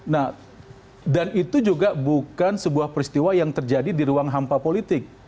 nah dan itu juga bukan sebuah peristiwa yang terjadi di ruang hampa politik